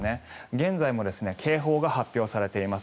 現在も警報が発表されています。